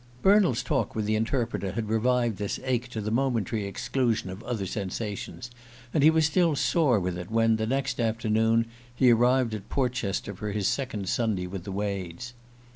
Bernald's talk with the Interpreter had revived this ache to the momentary exclusion of other sensations; and he was still sore with it when, the next afternoon, he arrived at Portchester for his second Sunday with the Wades.